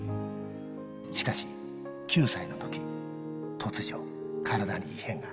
しかし、９歳のとき、突如、体に異変が。